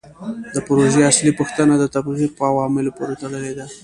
د پروژې اصلي پوښتنه د تبخیر په عواملو پورې تړلې ده.